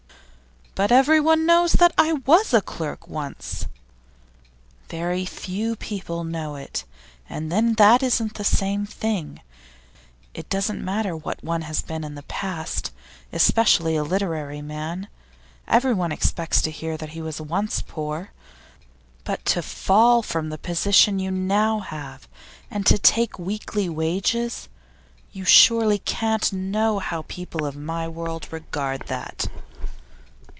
'But everyone knows that I was a clerk once!' 'Very few people know it. And then that isn't the same thing. It doesn't matter what one has been in the past. Especially a literary man; everyone expects to hear that he was once poor. But to fall from the position you now have, and to take weekly wages you surely can't know how people of my world regard that.